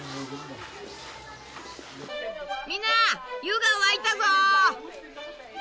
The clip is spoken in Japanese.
みんな湯が沸いたぞ！